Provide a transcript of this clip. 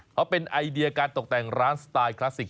เขาเป็นไอเดียการตกแต่งร้านสไตล์คลาสสิก